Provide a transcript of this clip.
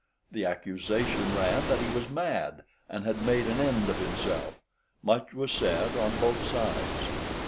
The accusation ran that he was mad, and had made an end of himself. Much was said on both sides.